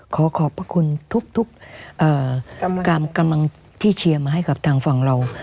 ขอขอบพระคุณทุกกำลังที่เชียร์มาให้กับทางฝั่งเรา